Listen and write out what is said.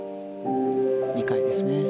２回ですね。